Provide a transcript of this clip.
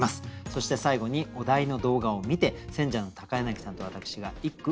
そして最後にお題の動画を観て選者の柳さんと私が一句詠ませて頂きます。